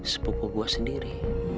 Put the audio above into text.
sepupu gua sendiri